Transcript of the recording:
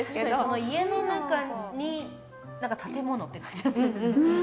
家の中に建物って感じがする。